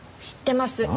知ってます。